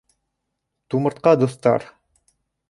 — Тумыртҡа дуҫтар!